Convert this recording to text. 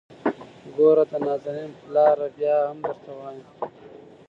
ګوره د نازنين پلاره ! بيا هم درته وايم.